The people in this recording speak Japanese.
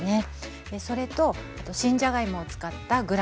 それと新じゃがいもを使ったグラタンになります。